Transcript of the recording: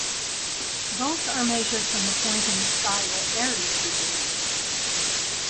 Both are measured from the point in the sky where Aries begins.